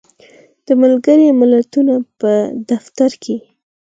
د ملګری ملتونو په دفتر کې